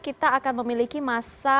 kita akan memiliki masa